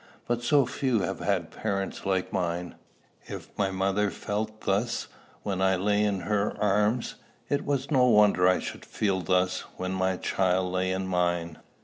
But so few have had parents like mine! If my mother felt thus when I lay in her arms, it was no wonder I should feel thus when my child lay in mine.